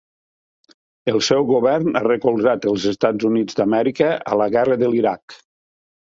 El seu govern a recolzat els Estats Units d'Amèrica a la guerra de l'Iraq.